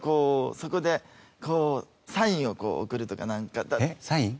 そこでサインを送るとかなんか。